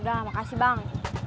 udah makasih bang